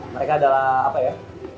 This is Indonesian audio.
mereka adalah apa ya